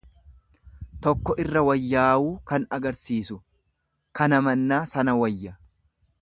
tokko irra wayyaawuu kan agarsiisu; Kana mannaa sana wayya.